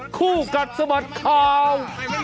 คู่กัดสะบัดข่าว